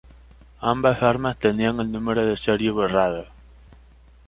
Ambas armas tenían el número de serie borrado.